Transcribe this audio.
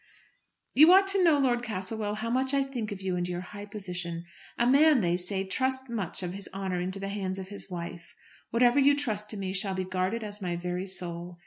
"You ought to know, Lord Castlewell, how much I think of you and your high position. A man, they say, trusts much of his honour into the hands of his wife. Whatever you trust to me shall be guarded as my very soul.